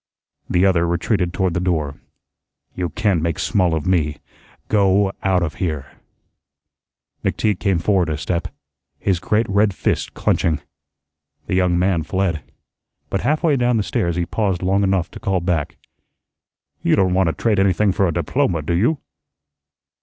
The other retreated toward the door. "You can't make small of me. Go out of here." McTeague came forward a step, his great red fist clenching. The young man fled. But half way down the stairs he paused long enough to call back: "You don't want to trade anything for a diploma, do you?"